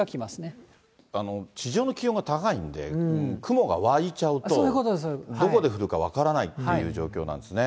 地上の気温が高いんで、雲が湧いちゃうと、どこで降るか分からないっていう状況なんですね。